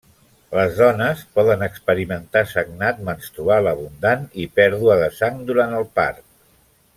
Les dones poden experimentar sagnat menstrual abundant i pèrdua de sang durant el part.